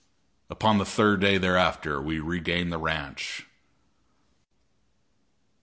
Upon the third day thereafter we regained the ranch.